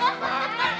sampai jumpa lagi